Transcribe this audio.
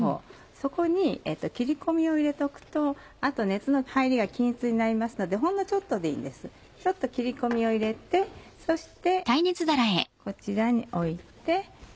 そこに切り込みを入れておくと熱の入りが均一になりますのでほんのちょっとでいいんですちょっと切り込みを入れてそしてこちらに置いて。